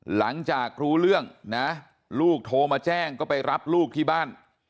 หลังจากรู้เรื่องนะลูกโทรมาแจ้งก็ไปรับลูกที่บ้าน